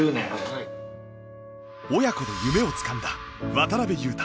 親子で夢をつかんだ渡邊雄太。